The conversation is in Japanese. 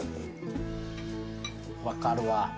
分かるわ。